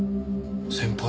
先輩？